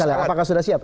apakah sudah siap